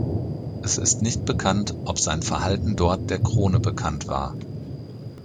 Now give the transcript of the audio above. Es ist nicht bekannt, ob sein Verhalten dort der Krone bekannt war.